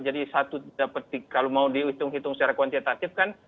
jadi satu kalau mau dihitung hitung secara kuantitatif kan